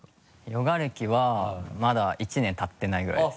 ヨガ歴はまだ１年たってないぐらいです。